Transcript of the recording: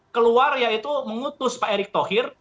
keluar yaitu mengutus pak erick thohir